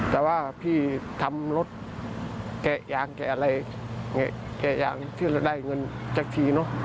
แต่ว่าพี่ทำรถแกะยางแกะอะไรแกะยางที่เราได้เงินสักทีเนอะ